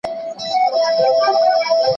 ځيني پلرونه د لوڼو شکايت بابېزه ګڼي.